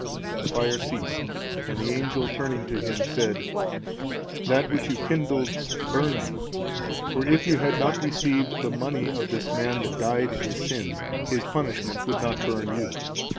The fire ceased, and the angel, turning to him, said, "That which you kindled burned you; for if you had not received the money of this man that died in his sins, his punishment would not burn you."